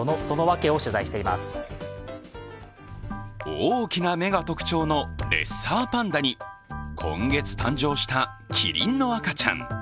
大きな目が特徴のレッサーパンダに、今月誕生したキリンの赤ちゃん。